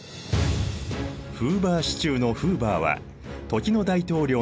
フーヴァー・シチューのフーヴァーは時の大統領の名前。